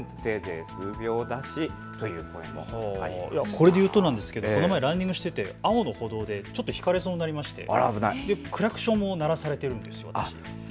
これでいうとこの前ランニングしていて青の歩道でちょっとひかれそうになりまして、クラクションを鳴らされているんですよ。